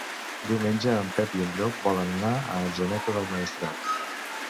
Diumenge en Pep i en Llop volen anar a Atzeneta del Maestrat.